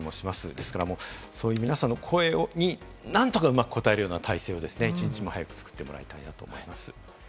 ですから、皆さんの声に何とかうまく応えるような体制を一日も早く作ってもらいたいと思います。